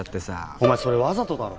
お前それわざとだろ？